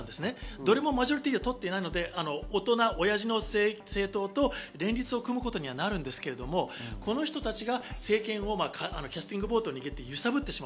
どれもマジョリティーを取っていないので、大人の政党と連立を組むことにはなるんですけど、この人たちが政権をキャスティングボードを握って揺さぶってしま